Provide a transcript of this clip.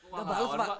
wah bahas apa pak